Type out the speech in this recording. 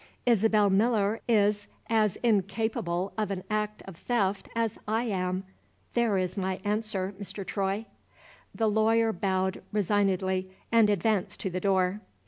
"Isabel Miller is as incapable of an act of theft as I am. There is my answer, Mr. Troy." The lawyer bowed resignedly, and advanced to the door.